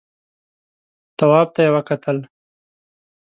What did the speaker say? تواب ته يې وکتل.